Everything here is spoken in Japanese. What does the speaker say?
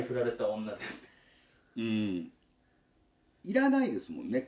いらないですもんね